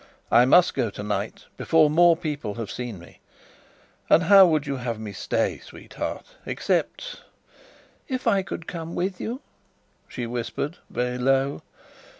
"I must go tonight, before more people have seen me. And how would you have me stay, sweetheart, except ?" "If I could come with you!" she whispered very low.